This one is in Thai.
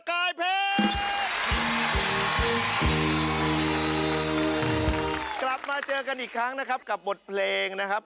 กลับมาเจอกันอีกครั้งนะครับกับบทเพลงนะครับ